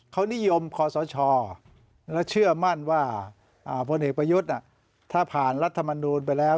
เขานิยมคอสชและเชื่อมั่นว่าพลเอกประยุทธ์ถ้าผ่านรัฐมนูลไปแล้ว